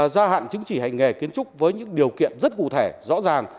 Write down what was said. gia hạn chứng chỉ hành nghề kiến trúc với những điều kiện rất cụ thể rõ ràng